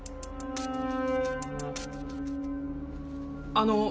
あの。